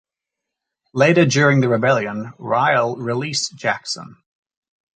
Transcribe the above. Later during the rebellion, Riel released Jackson.